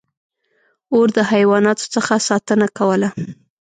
• اور د حیواناتو څخه ساتنه کوله.